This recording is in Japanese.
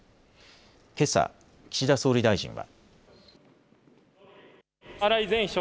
けさ岸田総理大臣は。